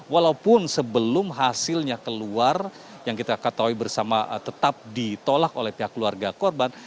walaupun sebelum hasilnya keluar yang kita ketahui bersama tetap ditolak oleh pihak keluarga korban